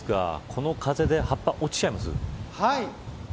この風で葉っぱ、落ちちゃいます。